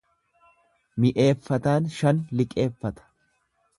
Mi'eeffataan shan liqeeffata.